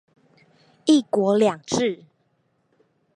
ㄧ 國兩制